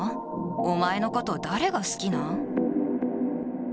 お前のこと誰が好きなん？